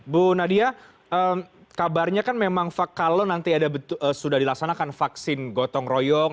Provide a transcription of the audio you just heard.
bu nadia kabarnya kan memang kalau nanti sudah dilaksanakan vaksin gotong royong